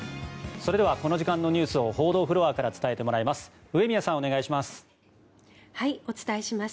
それではこの時間のニュースを報道フロアから伝えてもらいます上宮さん、お願いします。